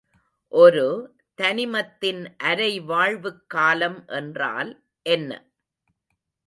ஒரு தனிமத்தின் அரைவாழ்வுக்காலம் என்றால் என்ன?